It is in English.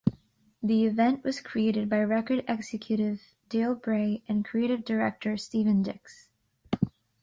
The event was created by record executive Dale Bray and creative director Steven Dix.